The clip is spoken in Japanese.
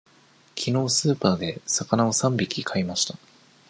きのうスーパーで魚を三匹買いました。